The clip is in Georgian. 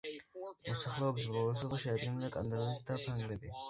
მოსახლეობის უმრავლესობას შეადგენენ კანადელები და ფრანგები.